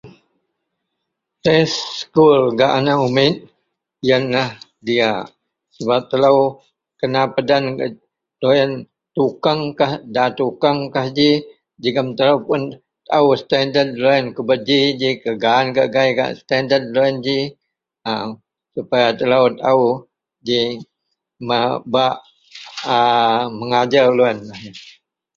test sekul gak aneik umik ienlah diak sebab telou kena peden deloien tukang kah da tukang kah ji jegum telou pun taou standard deloien kuba ji ji, gak gaan ngak gai gak standard loien ji aa supaya telou taau ji ma bak aa megajer loien.